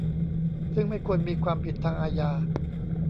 ซึ่งไม่ควรมีความผิดทางอาญา